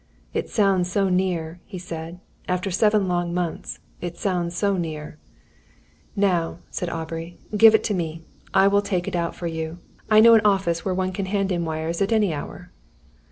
"It sounds so near," he said. "After seven long months it sounds so near!" "Now," said Aubrey, "give it to me. I will take it out for you. I know an office where one can hand in wires at any hour."